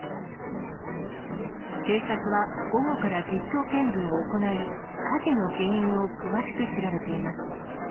警察は午後から実況見分を行い、火事の原因を詳しく調べています。